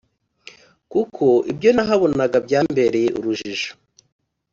kuko ibyo nahabonaga byambereye urujijo,